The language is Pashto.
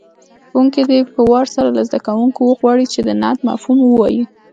ښوونکی دې په وار سره له زده کوونکو وغواړي چې د نعت مفهوم ووایي.